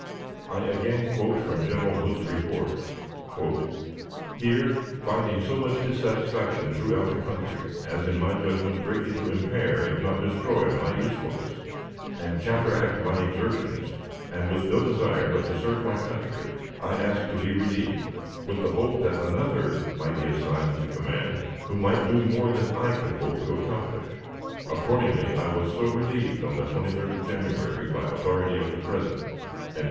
I again quote from General Hood's report: "Here, finding so much dissatisfaction throughout the country, as, in my judgment, greatly to impair, if not destroy, my usefulness, and counteract my exertions, and with no desire but to serve my country, I asked to be relieved, with the hope that another might be assigned to the command who might do more than I could hope to accomplish. Accordingly, I was so relieved on the 23d of January, by authority of the President."